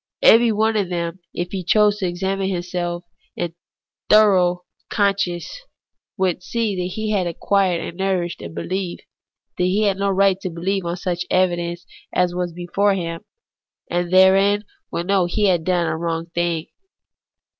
Every one of them, if he chose to examine himself in foro conscientice, would know that he had acquired and nourished a behef, when he had no right to beheve on such evidence as was before him ; and therein he would know that he had done a wrong thing.